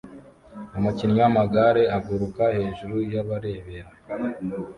Umukinnyi wamagare aguruka hejuru yabarebera